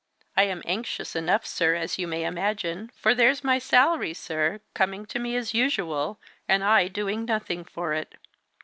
I am anxious enough sir, as you may imagine, for there's my salary, sir, coming to me as usual, and I doing nothing for it."